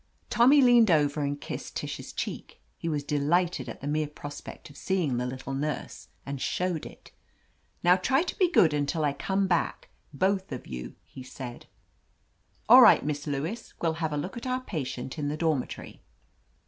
Tommy leaned over and kissed Tish's cheek. He was delighted at the mere prospect of see ing the Little Nurse, and showed it. "Now, try to be good until I come back, both of you," loo «T». LETITIA CARBERRY he said. "All right, Miss Lewis, we'll have a look at our patient in the dormitory."